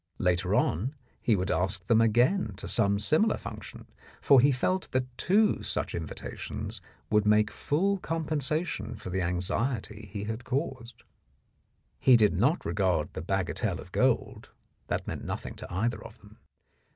Later on he would ask them again to some similar function, for he felt that two such invitations would make full compensa tion for the anxiety he had caused. He did not regard the bagatelle of gold; that meant nothing to either of them.